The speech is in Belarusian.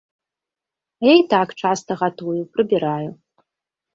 А я і так часта гатую, прыбіраю.